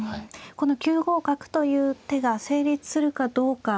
この９五角という手が成立するかどうか。